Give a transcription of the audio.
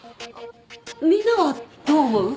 みんなはどう思う？